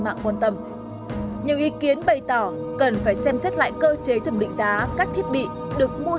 mạng quan tâm nhiều ý kiến bày tỏ cần phải xem xét lại cơ chế thẩm định giá các thiết bị được mua